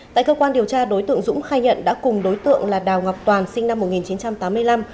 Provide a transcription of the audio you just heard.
tại cơ quan điều tra đối tượng dũng khai nhận đã cùng đối tượng là đào ngọc toàn sinh năm một nghìn chín trăm tám mươi năm